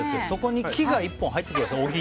そこに木が１本入ってきたんです。